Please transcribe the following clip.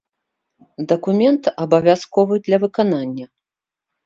Дакумент абавязковы для выканання.